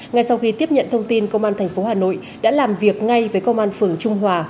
ngay sau khi tiếp nhận thông tin công an tp hà nội đã làm việc ngay với công an phường trung hòa